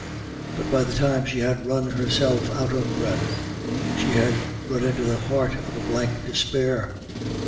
But by the time she had run herself out of breath, she had run into the heart of a blank despair.